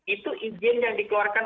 itu izin yang dikeluarkan